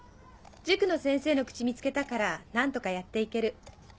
塾の先生の口見つけたから何とかやって行ける。